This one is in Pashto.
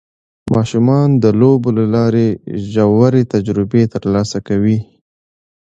ماشومان د لوبو له لارې ژورې تجربې ترلاسه کوي